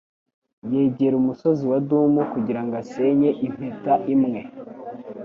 yegera umusozi wa Doom kugirango asenye impeta imwe